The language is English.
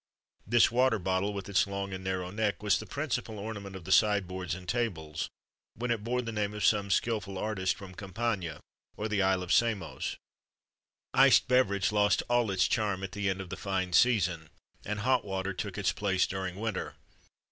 [XXV 31] This water bottle, with its long and narrow neck, was the principal ornament of the sideboards and tables, when it bore the name of some skilful artist from Campania or the Island of Samos.[XXV 32][O] Iced beverage lost all its charm at the end of the fine season, and hot water took its place during winter.